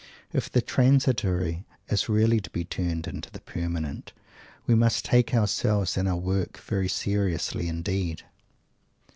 If the Transitory is really to be turned into the Permanent, we must take ourselves and our work very seriously indeed!